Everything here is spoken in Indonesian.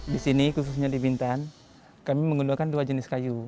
di sini khususnya di bintan kami menggunakan dua jenis kayu